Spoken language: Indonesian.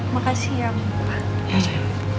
makasih ya papa